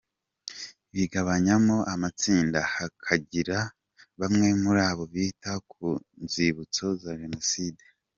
Bigabanyamo amatsinda, hakagira bamwe muri bo bita ku nzibutso za Jenoside.